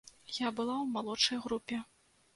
Я была ў малодшай групе.